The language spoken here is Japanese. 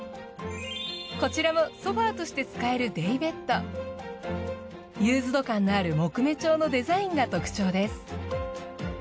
こちらもソファとして使えるユーズド感のある木目調のデザインが特徴です。